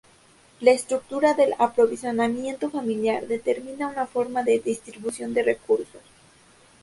La estructura del aprovisionamiento familiar determina una forma de distribución de recursos.